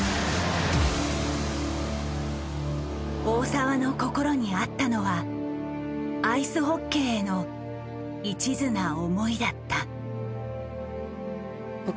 大澤の心にあったのはアイスホッケーへのいちずな思いだった。